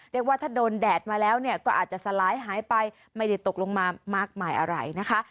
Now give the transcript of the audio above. เรียกว่าถ้าโดนแดดมาแล้วเนี่ยก็อาจจะสลายหายไปไม่ได้ตกลงมามากมายอะไรนะคะ